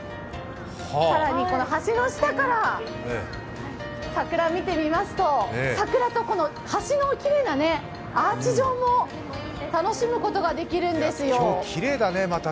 更に橋の下から桜を見てみますと、桜と橋のきれいなアーチ状も楽しむことができるんですよ。